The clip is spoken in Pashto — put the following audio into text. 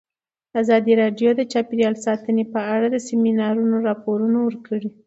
ازادي راډیو د چاپیریال ساتنه په اړه د سیمینارونو راپورونه ورکړي.